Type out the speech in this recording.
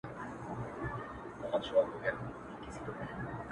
زما په څېره كي ـ ښكلا خوره سي ـ